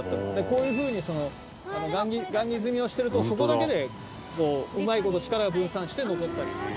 こういう風に算木積みをしてるとそこだけでうまい事力が分散して残ったりする。